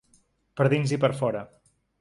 Per dins i per fora.